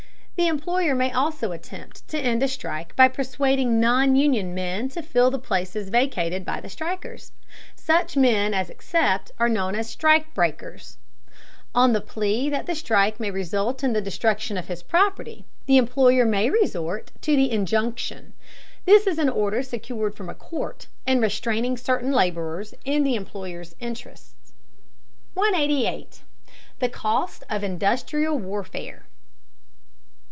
The employer may also attempt to end a strike by persuading non union men to fill the places vacated by the strikers. Such men as accept are known as strike breakers. On the plea that the strike may result in the destruction of his property, the employer may resort to the injunction. This is an order secured from a court, and restraining certain laborers in the employer's interest. 188. THE COST OF INDUSTRIAL WARFARE.